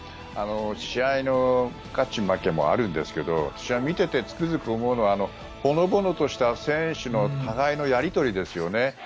試合の勝ち負けもあるんですけど試合を見ていてつくづく思うのはほのぼのとした、選手の互いのやり取りですよね。